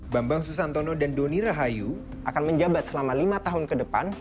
bambang susantono dan doni rahayu akan menjabat selama lima tahun ke depan